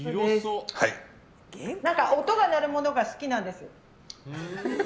音が鳴るものが好きなんです。